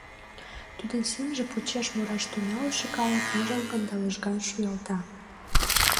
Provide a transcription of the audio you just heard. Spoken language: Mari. Тудын семже почеш мураш тӱҥалше калык ныжылгын да лыжган шуялта.